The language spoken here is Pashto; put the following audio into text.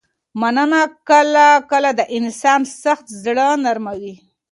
مننه کله کله د انسان سخت زړه نرموي.